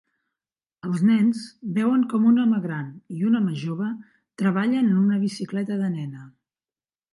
Els nens veuen com un home gran i un home jove treballen en una bicicleta de nena.